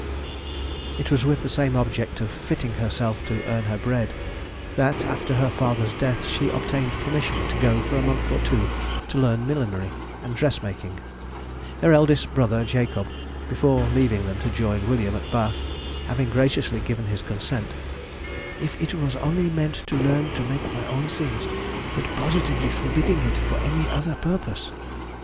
It was with the same object of fitting herself to earn her bread, that, after her father's death, she obtained permission to go for a month or two to learn millinery and dress making; her eldest brother Jacob, before leaving them to join William at Bath, having graciously given his consent, "if it was only meant to learn to make my own things, but positively forbidding it for any other purpose."